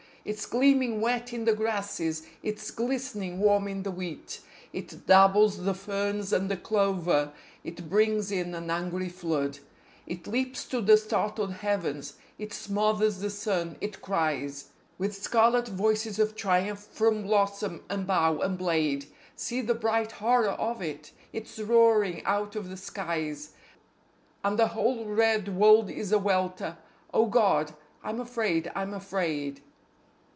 It's gleaming wet in the grasses; it's glist'ning warm in the wheat; It dabbles the ferns and the clover; it brims in an angry flood; It leaps to the startled heavens; it smothers the sun; it cries With scarlet voices of triumph from blossom and bough and blade. See the bright horror of it! It's roaring out of the skies, And the whole red world is a welter. ... Oh God! I'm afraid! I'm afraid!